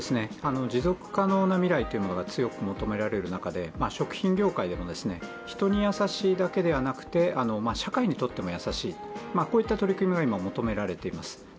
持続可能な未来が強く求められる中で食品業界でも人に優しいだけではなくて社会にとっても優しい、こういった取り組みが今、求められています。